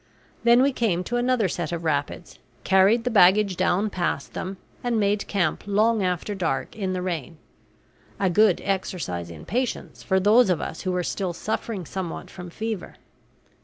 Then we came to another set of rapids, carried the baggage down past them, and made camp long after dark in the rain a good exercise in patience for those of us who were still suffering somewhat from fever.